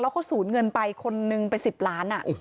แล้วเขาสูญเงินไปคนหนึ่งไป๑๐ล้านอ่ะ